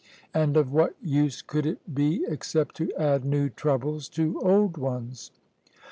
And of what use could it be except to add new troubles to old ones?